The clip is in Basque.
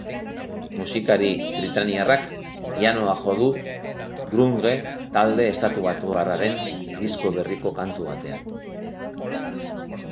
Musikari britainiarrak pianoa jo du grunge talde estatubatuarraren disko berriko kantu batean.